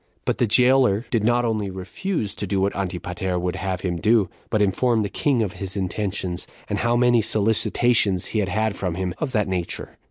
But the jailer did not only refuse to do what Antipater would have him, but informed the king of his intentions, and how many solicitations he had had from him [of that nature].